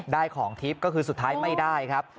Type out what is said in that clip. ของทิพย์ก็คือสุดท้ายไม่ได้ครับ